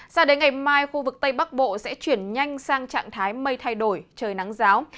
sao đến ngày mai khu vực tây bắc bộ sẽ chuyển nhanh sang trạng thái mây thay đổi trời nắng giáo